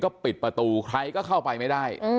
ก็ปิดประตูใครก็เข้าไปไม่ได้